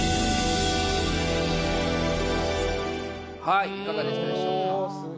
はいいかがでしたでしょうか？